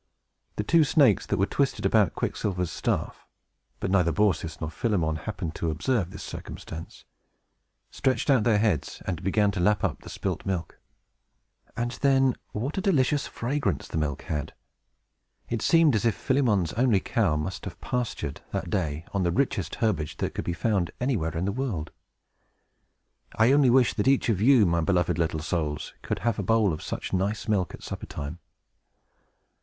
The two snakes that were twisted about Quicksilver's staff (but neither Baucis nor Philemon happened to observe this circumstance) stretched out their heads, and began to lap up the spilt milk. And then what a delicious fragrance the milk had! It seemed as if Philemon's only cow must have pastured, that day, on the richest herbage that could be found anywhere in the world. I only wish that each of you, my beloved little souls, could have a bowl of such nice milk, at supper time!